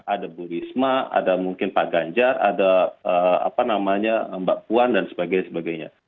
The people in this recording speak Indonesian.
ada bu risma ada mungkin pak ganjar ada mbak puan dan sebagainya